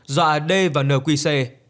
dọa d và nqc